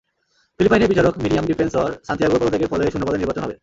ফিলিপাইনের বিচারক Miriam Defensor সান্তিয়াগোর পদত্যাগের ফলে শূন্য পদে নির্বাচন হবে।